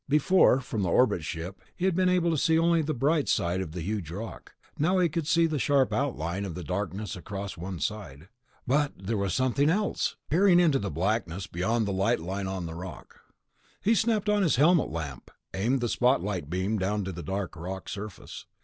Before, from the orbit ship, he had been able to see only the bright side of the huge rock; now he could see the sharp line of darkness across one side. But there was something else.... He fired the bumper again to steady himself, peering into the blackness beyond the light line on the rock. He snapped on his helmet lamp, aimed the spotlight beam down to the dark rock surface.